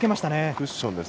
クッションです。